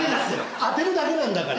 当てるだけなんだから。